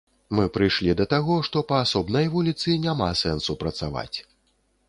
Мы прыйшлі да таго, што па асобнай вуліцы няма сэнсу працаваць.